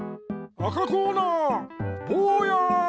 赤コーナーぼうや！